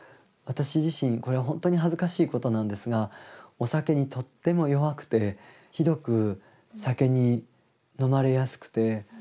私自身これはほんとに恥ずかしいことなんですがお酒にとっても弱くてひどく酒に飲まれやすくて。